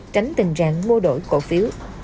tránh tình trạng mua đổi cổ phiếu